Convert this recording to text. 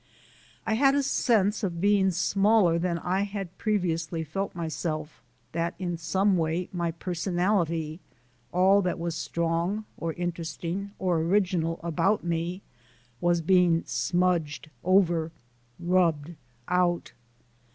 I had a sense of being smaller than I had previously felt myself, that in some way my personality, all that was strong or interesting or original about me, was being smudged over, rubbed out.